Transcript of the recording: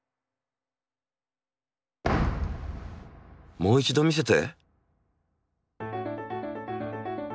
もう一度見せて！